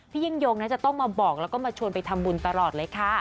ยิ่งยงจะต้องมาบอกแล้วก็มาชวนไปทำบุญตลอดเลยค่ะ